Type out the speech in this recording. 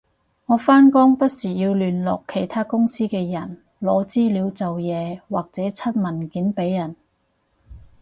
我返工不時要聯絡其他公司嘅人攞資料做嘢或者出文件畀人